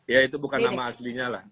ya itu bukan nama aslinya lah